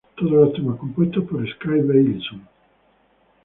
Todos los temas compuestos por Skay Beilinson.